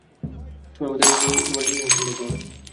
তুমি আমাদের তোমার রিলেশনশীপ সম্পর্কে বল।